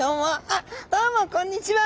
あっどうもこんにちは！